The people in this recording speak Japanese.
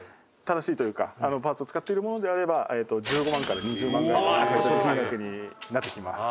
「正しいというかパーツを使っているものであれば１５万から２０万ぐらいの買取金額になってきます」